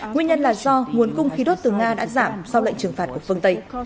nguyên nhân là do nguồn cung khí đốt từ nga đã giảm sau lệnh trừng phạt của phương tây